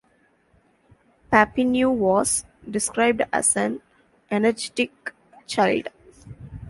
Papineau was described as an energetic child.